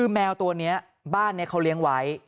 แมวตัวนี้บ้านนี้เขาเลี้ยงไว้